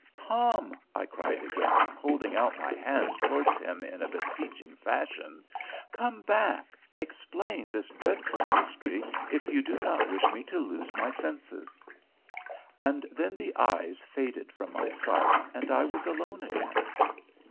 "Tom," I cried again, holding out my hand towards him in a beseeching fashion, "come back. Explain this dreadful mystery if you do not wish me to lose my senses." And then the eyes faded from my sight, and I was alone again.